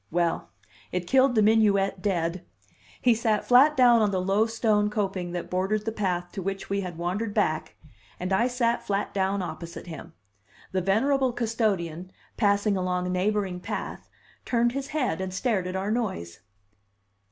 Well, it killed the minuet dead; he sat flat down on the low stone coping that bordered the path to which we had wandered back and I sat flat down opposite him. The venerable custodian, passing along a neighboring path, turned his head and stared at our noise.